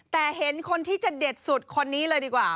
แต่เห็นคนที่จะเด็ดสุดคนนี้เลยดีกว่า